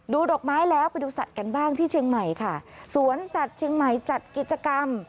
ดอกไม้แล้วไปดูสัตว์กันบ้างที่เชียงใหม่ค่ะสวนสัตว์เชียงใหม่จัดกิจกรรม